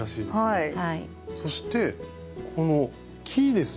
はい。